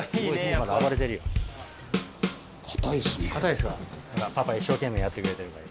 今パパ一生懸命やってくれてるから。